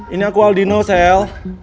ini aku aldino sel